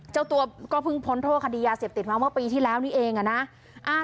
เจ้าตัวก็เพิ่งพ้นโทษคดียาเสพติดมาเมื่อปีที่แล้วนี่เองอะนะ